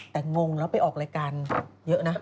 แต่งงแล้วไปออกรายการเยอะนะ